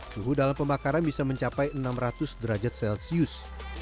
suhu dalam pembakaran bisa mencapai enam ratus derajat celcius